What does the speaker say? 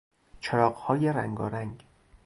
چراغهای رنگارنگ